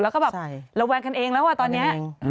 แล้วก็แบบระแวงกันเองแล้วอ่ะตอนนี้